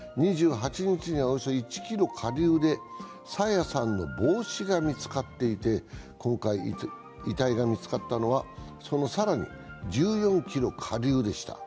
２８日にはおよそ１ｋｍ下流で朝芽さんの帽子が見つかっていて今回、遺体が見つかったのはその更に１４ｋｍ下流でした。